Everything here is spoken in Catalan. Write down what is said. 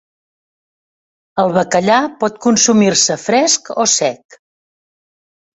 El bacallà pot consumir-se fresc o sec.